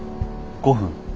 ５分。